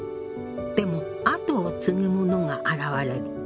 でも跡を継ぐ者が現れる。